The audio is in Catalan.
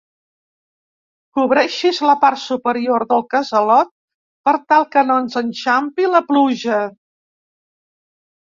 Cobreixis la part superior del casalot per tal que no ens enxampi la pluja.